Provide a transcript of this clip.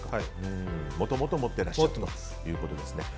もともと持っていらっしゃるということですね。